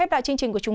học lạc accepted